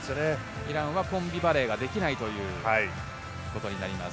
イランはコンビバレーができないということになります。